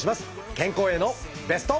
健康へのベスト。